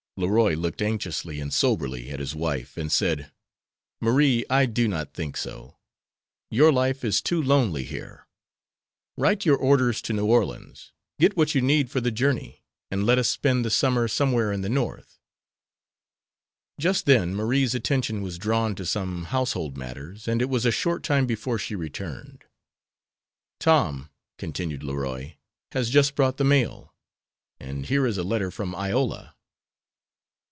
Leroy looked anxiously and soberly at his wife, and said: "Marie, I do not think so. Your life is too lonely here. Write your orders to New Orleans, get what you need for the journey, and let us spend the summer somewhere in the North." Just then Marie's attention was drawn to some household matters, and it was a short time before she returned. "Tom," continued Leroy, "has just brought the mail, and here is a letter from Iola."